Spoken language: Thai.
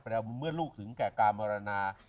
แล้วเมื่อลูกถึงแก่กามรณา